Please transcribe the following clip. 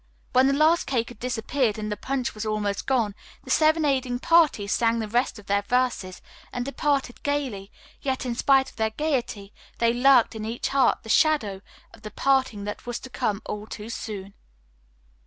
When the last cake had disappeared and the punch was almost gone, the serenading party sang the rest of their verses and departed gayly, yet in spite of their gayety there lurked in each heart the shadow of the parting that was to come all too soon.